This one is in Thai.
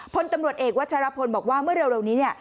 พลตำรวจเอกวัชรพลบอกว่าเมื่อเร็วนี้เนี่ย